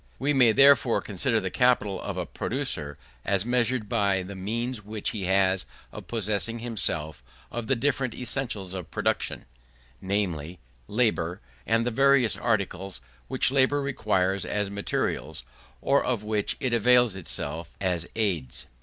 We may, therefore, consider the capital of a producer as measured by the means which he has of possessing himself of the different essentials of production: namely, labour, and the various articles which labour requires as materials, or of which it avails itself as aids.